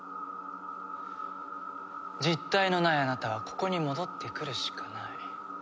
実体のないあなたはここに戻ってくるしかない。